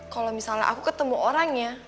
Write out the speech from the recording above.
kalau misalnya aku ketemu orangnya